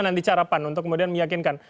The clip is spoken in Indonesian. nanti carapan untuk kemudian meyakinkan